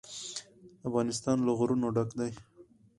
افغانستان له غرونه ډک دی.